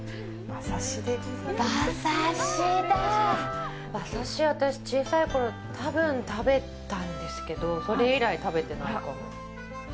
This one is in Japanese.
馬刺し、私、小さいころ多分、食べたんですけどそれ以来、食べてないかも。